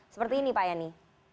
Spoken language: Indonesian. seperti ini pak yani